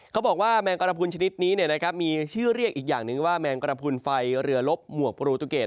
เขาบอกว่าแมงกระพุนชนิดนี้มีชื่อเรียกอีกอย่างหนึ่งว่าแมงกระพุนไฟเรือลบหมวกโปรตูเกต